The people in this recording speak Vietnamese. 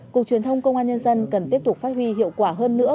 cục truyền thông công an nhân dân cần tiếp tục phát huy hiệu quả hơn nữa